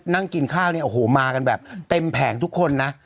นั่งกินข้าวเนี่ยโอ้โหมากันแบบเต็มแผงทุกคนนะ